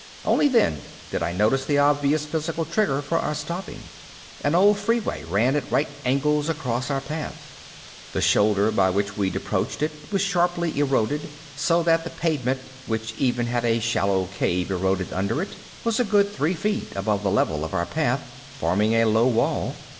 Only then did I notice the obvious physical trigger for our stopping. An old freeway ran at right angles across our path. The shoulder by which we'd approached it was sharply eroded, so that the pavement, which even had a shallow cave eroded under it, was a good three feet above the level of our path, forming a low wall.